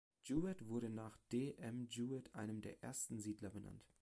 Jewett wurde nach D. M. Jewett, einem der ersten Siedler, benannt.